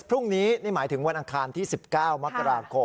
พรุ่งนี้นี่หมายถึงวันอังคารที่๑๙มกราคม